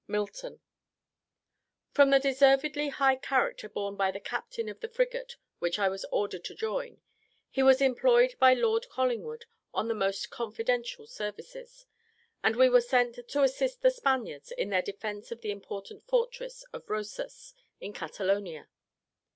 Milton. From the deservedly high character borne by the captain of the frigate which I was ordered to join, he was employed by Lord Collingwood on the most confidential services; and we were sent to assist the Spaniards in their defence of the important fortress of Rosas, in Catalonia.